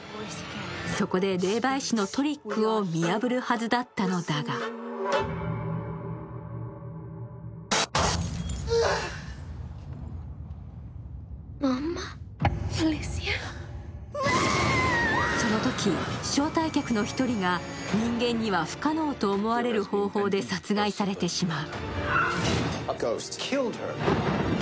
そこで霊媒師のトリックを見破るはずだったのだがそのとき、招待客の１人が人間には不可能と思われる方法で殺害されてしまう。